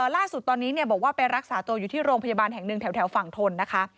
ล่าสุดตอนนี้บอกว่าไปรักษาตัวอยู่ที่โรงพยาบาลแห่งหนึ่งแถวฝั่งทนนะคะ